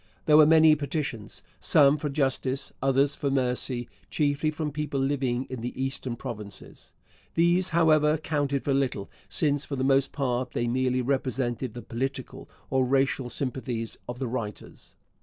There were many petitions, some for justice, others for mercy, chiefly from people living in the eastern provinces. These, however, counted for little, since for the most part they merely represented the political or racial sympathies of the writers.